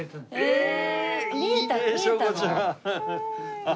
へえ！